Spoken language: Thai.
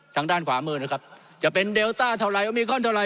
ทางด้านขวามือนะครับจะเป็นเดลต้าเท่าไรโอมิคอนเท่าไห